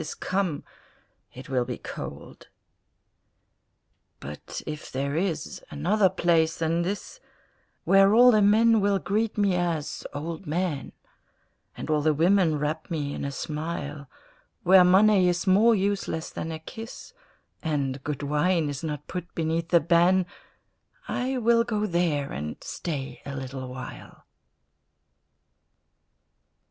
is come, it will be cold. But if there is another place than this, Where all the men will greet me as "Old Man," And all the women wrap me in a smile, Where money is more useless than a kiss, And good wine is not put beneath the ban, I will go there and stay a little while.